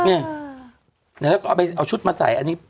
เอาชุดก็เอาชุดมาใส่อันนี้